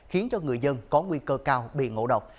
khiến cho người dân có nguy cơ cao bị ngộ độc